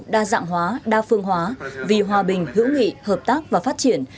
đa dạng hóa đa phương hóa vì hòa bình hữu nghị hợp tác và phát triển